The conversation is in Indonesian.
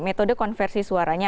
metode konversi suaranya